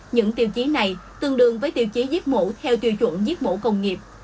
những tiêu chí này tương đương với tiêu chí giết mổ theo tiêu chuẩn giết mổ công nghiệp